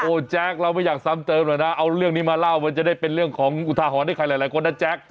แจ๊คเราไม่อยากซ้ำเติมหน่อยนะเอาเรื่องนี้มาเล่ามันจะได้เป็นเรื่องของอุทาหรณ์ให้ใครหลายคนนะแจ๊ค